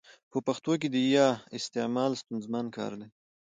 په پښتو کي د ي استعمال ستونزمن کار دی.